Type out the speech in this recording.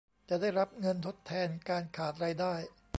จะได้รับเงินทดแทนการขาดรายได้